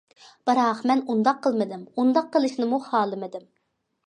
بىراق، مەن ئۇنداق قىلمىدىم، ئۇنداق قىلىشنىمۇ خالىمىدىم.